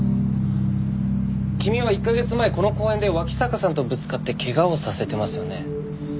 君は１カ月前この公園で脇坂さんとぶつかって怪我をさせてますよね。